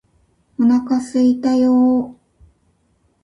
お腹すいたよーー